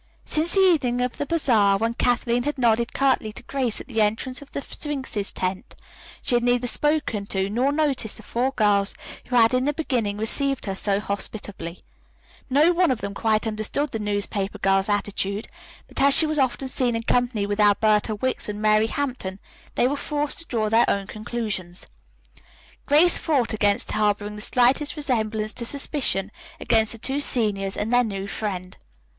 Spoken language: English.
Since the evening of the bazaar, when Kathleen had nodded curtly to Grace at the entrance to the Sphinx's tent, she had neither spoken to nor noticed the four girls who had in the beginning received her so hospitably. No one of them quite understood the newspaper girl's attitude, but as she was often seen in company with Alberta Wicks and Mary Hampton, they were forced to draw their own conclusions. Grace fought against harboring the slightest resemblance to suspicion against the two seniors and their new friend.